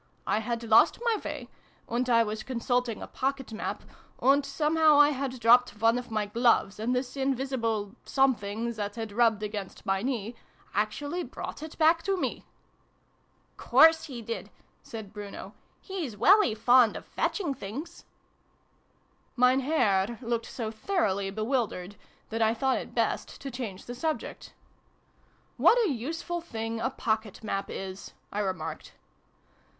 " I had lost my way, and I was consulting a pocket map, and somehow I had dropped one of my gloves, and this invisible Something, that had rubbed against my knee, actually brought it back to me !"" Course he did !" said Bruno. " He's welly fond of fetching things." xi] THE MAN IN THE MOON. 169 Mein Herr looked so thoroughly bewildered that I thought it best to change the subject. " What a useful thing a pocket map is !" I remarked.